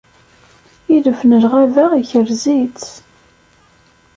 Ilef n lɣaba ikerz-itt.